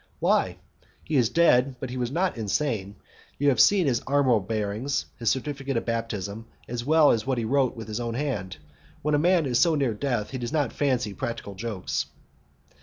"Why? He is dead, but he was not insane. You have seen his armorial bearings, his certificate of baptism, as well as what he wrote with his own hand. When a man is so near death, he does not fancy practical jokes."